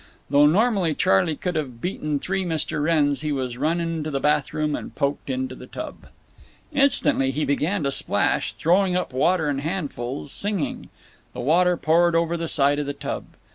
Though normally Charley could have beaten three Mr. Wrenns, he was run into the bath room and poked into the tub. Instantly he began to splash, throwing up water in handfuls, singing. The water poured over the side of the tub. Mr.